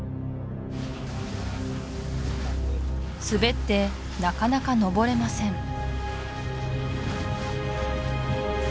滑ってなかなかのぼれません